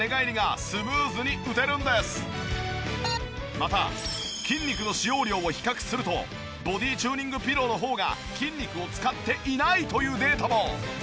また筋肉の使用量を比較するとボディチューニングピローの方が筋肉を使っていないというデータも！